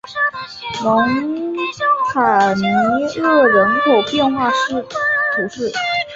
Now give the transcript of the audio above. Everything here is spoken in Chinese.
蒙塔尼厄人口变化图示